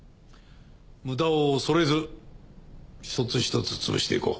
無駄を恐れず一つひとつ潰していこう。